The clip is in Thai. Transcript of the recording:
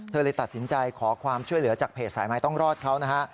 เลยตัดสินใจขอความช่วยเหลือจากเพจสายไม้ต้องรอดเขานะฮะ